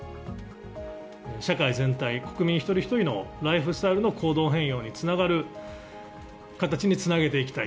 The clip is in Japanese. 社会全体、国民一人一人のライフスタイルの行動変容につながる形につなげていきたい。